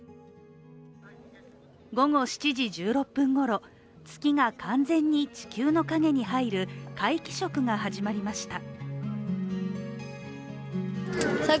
午後７時１６分ごろ、月が完全に地球の影に入る皆既食が始まりました。